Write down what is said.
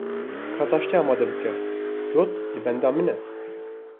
Ka taştê amade bike, cot li benda min e.